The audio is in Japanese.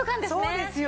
そうですよ。